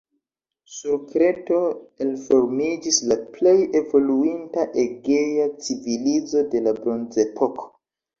Sur Kreto elformiĝis la plej evoluinta egea civilizo de la bronzepoko.